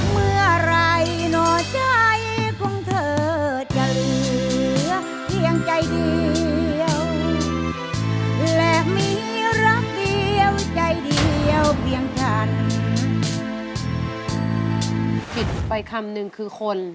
ผิดไปคำนึงคือคน